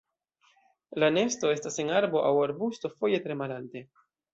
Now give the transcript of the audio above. La nesto estas en arbo aŭ arbusto, foje tre malalte.